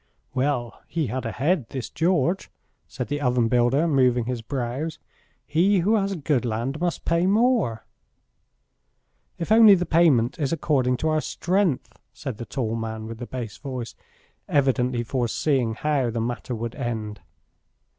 "Well, he had a head, this George," said the oven builder, moving his brows. "He who has good land must pay more." "If only the payment is according to our strength," said the tall man with the bass voice, evidently foreseeing how the matter would end.